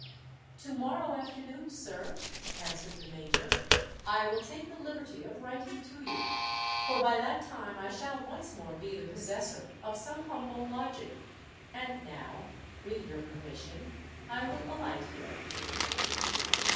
"To morrow afternoon, sir," answered the Major, "I will take the liberty of writing to you; for by that time I shall once more be the possessor of some humble lodging. And now, with your permission, I will alight here."